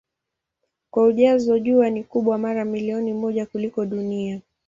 Kwa ujazo Jua ni kubwa mara milioni moja kuliko Dunia.